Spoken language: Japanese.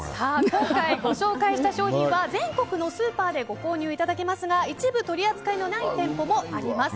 今回ご紹介した商品は全国のスーパーでご購入いただけますが一部取り扱いのない店舗もあります。